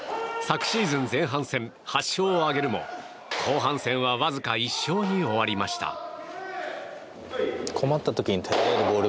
昨シーズン前半戦８勝を挙げるも後半戦はわずか１勝に終わりました。